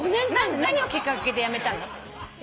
何をきっかけでやめたの？